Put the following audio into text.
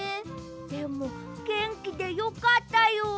でもげんきでよかったよ。